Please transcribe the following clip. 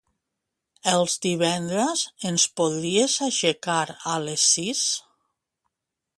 Els divendres ens podries aixecar a les sis?